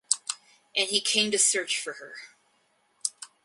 And he came to search for her.